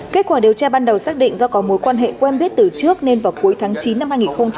kết quả điều tra ban đầu xác định do có mối quan hệ quen biết từ trước nên vào cuối tháng chín năm hai nghìn hai mươi ba